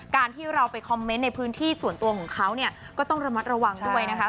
การที่เราไปคอมเมนต์ในพื้นที่ส่วนตัวของเขาเนี่ยก็ต้องระมัดระวังด้วยนะคะ